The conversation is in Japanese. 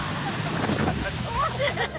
惜しい！